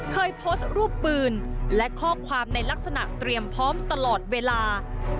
เคยโพสต์รูปปืนและข้อความในลักษณะเตรียมพร้อมตลอดเวลา